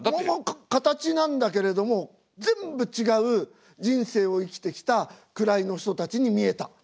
まあまあ形なんだけれども全部違う人生を生きてきた位の人たちに見えた。